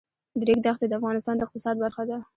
د ریګ دښتې د افغانستان د اقتصاد برخه ده.